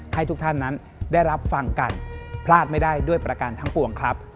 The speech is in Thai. ให้ทุกท่านนั้นได้รับฟังกันพลาดไม่ได้ด้วยประการทั้งปวงครับ